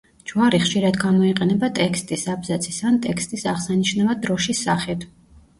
ჯვარი ხშირად გამოიყენება ტექსტის, აბზაცის ან ტექსტის აღსანიშნავად დროშის სახით.